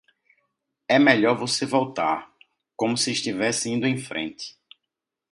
É melhor você voltar, como se estivesse indo em frente.